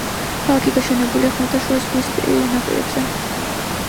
ქალაქი გაშენებულია ხმელთაშუა ზღვის ნაპირებზე.